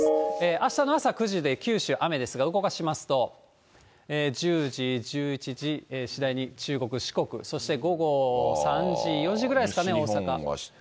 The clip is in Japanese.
あしたの朝９時で九州、雨ですが、動かしますと、１０時、１１時、次第に中国、四国、そして午後３時、４時ぐらいですかね、大阪。